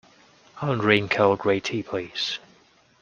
I'll drink Earl Grey tea please.